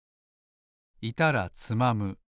いたらつまむ。